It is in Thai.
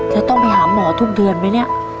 จะต้องไปหาหมอทุกเดือนไหมเนี่ย